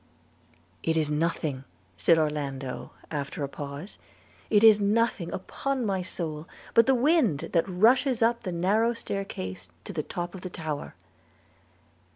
'It is nothing,' said Orlando, after a pause, 'it is nothing, upon my soul, but the wind that rushes up the narrow stair case to the top of the tower.'